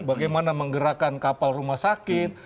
bagaimana menggerakkan kapal rumah sakit